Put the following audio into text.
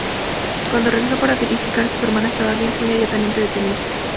Cuando regresó para verificar que su hermana estaba bien, fue inmediatamente detenido.